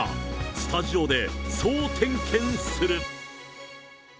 スタジオで総点検する。